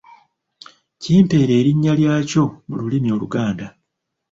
Kimpeere erinnya lyakyo mu lulimi Oluganda.